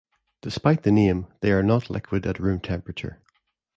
Despite the name, they are not liquid at room temperature.